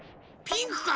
ピンクか？